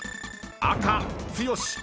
赤剛］